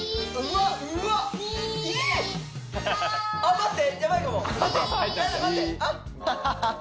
待って。